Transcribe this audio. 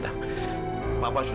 dan pada saat itu